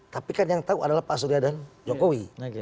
tapi kan yang tahu adalah pak surya dan jokowi